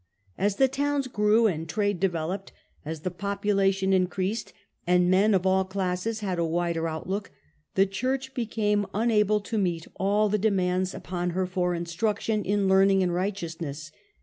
As the towns grew and trade developed, as the popu lation increased, and men of all classes had a wider out look, the church became unable to meet all the demands upon her for instruction in learning and righteousness.